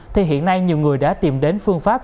thì hiện nay nhiều người đã tìm đến phương pháp